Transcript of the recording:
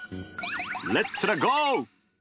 レッツらゴー！